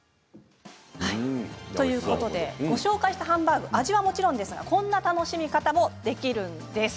ご紹介したハンバーグ味はもちろんですがこんな楽しみ方もできるんです。